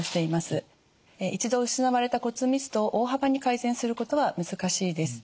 一度失われた骨密度を大幅に改善することは難しいです。